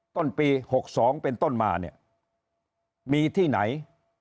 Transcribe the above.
ต้นปี๖๒เป็นต้นมาเนี่ยมีที่ไหน